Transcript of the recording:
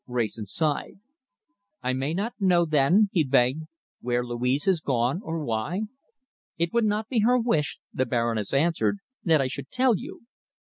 Wrayson sighed. "I may not know, then," he begged, "where Louise has gone, or why?" "It would not be her wish," the Baroness answered, "that I should tell you."